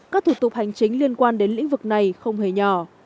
các thủ tục hành chính liên quan đến lĩnh vực này không hề nhỏ